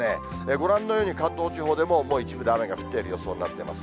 ご覧のように関東地方でももう一部で雨が降っている予想になっています。